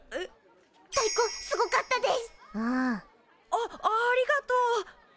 あっありがとう。